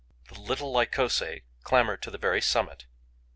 The little Lycosae clamber to the very summit.